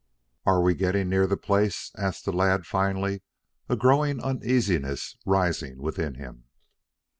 "Are we getting near the place?" asked the lad finally, a growing uneasiness rising within him.